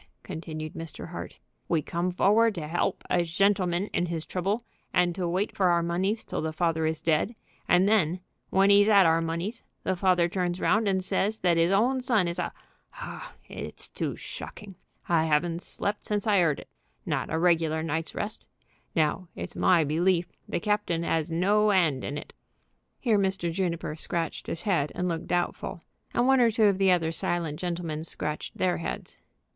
continued Mr. Hart, "we come forward to 'elp a shentleman in his trouble and to wait for our moneys till the father is dead, and then when 'e's 'ad our moneys the father turns round and says that 'is own son is a Oh, it's too shocking! I 'aven't slept since I 'eard it, not a regular night's rest. Now, it's my belief the captain 'as no 'and in it." Here Mr. Juniper scratched his head and looked doubtful, and one or two of the other silent gentlemen scratched their heads.